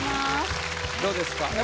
どうですか？